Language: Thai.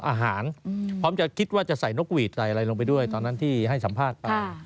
พร้อมจะคิดว่าจะใส่นกหวีดใส่อะไรลงไปด้วยตอนนั้นที่ให้สัมภาษณ์ไป